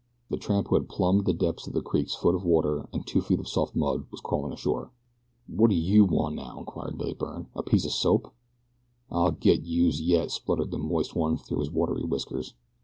The tramp who had plumbed the depths of the creek's foot of water and two feet of soft mud was crawling ashore. "Whadda YOU want now?" inquired Billy Byrne. "A piece o' soap?" "I'll get youse yet," spluttered the moist one through his watery whiskers.